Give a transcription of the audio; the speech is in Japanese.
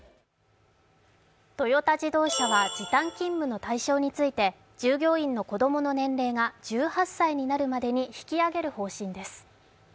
トヨタ自動車は時短勤務の対象について従業員の子供の年齢が１８歳になるまでに引き上げる方針です。